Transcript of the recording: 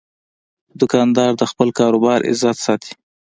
دوکاندار د خپل کاروبار عزت ساتي.